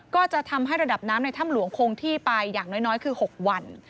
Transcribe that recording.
ก็จะทำให้ระดับน้ำในถ้ำหลวงคงที่ไปอย่างน้อยคือ๖วัน